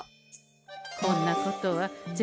こんなことは銭